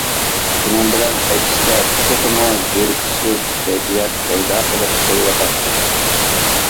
شۇنىڭ بىلەن ئەكسىچە تېخىمۇ زېرىكىشلىك كەيپىيات پەيدا قىلىپ قويۇۋاتاتتى.